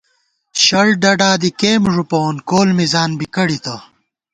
شڑ ڈڈا دی کېمپ ݫُپَوون، کول مِزان بی کڑِتہ